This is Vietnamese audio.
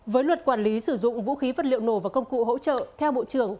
với luật quản lý sử dụng vũ khí vật liệu nổ và công cụ hỗ trợ theo bộ trưởng